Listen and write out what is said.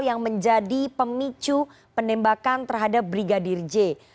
yang menjadi pemicu penembakan terhadap brigadir j